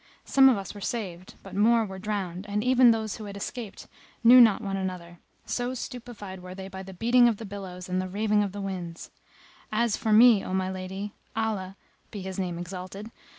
Some of us were saved, but more were drowned and even those who had escaped knew not one another, so stupefied were they by the beating of the billows and the raving of the winds. As for me, O my lady, Allah (be His name exalted!)